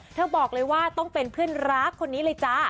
บอกเลยว่าต้องเป็นเพื่อนรักคนนี้เลยจ้า